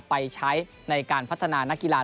ไปใช้ในการพัฒนานักกีฬา